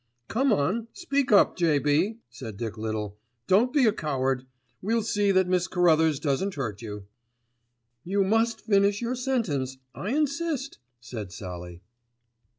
"Come on, speak up, J.B.," said Dick Little, "don't be a coward. We'll see that Miss Carruthers doesn't hurt you." "You must finish your sentence, I insist," said Sallie.